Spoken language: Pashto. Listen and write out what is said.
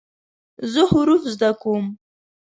زه حروف زده کوم.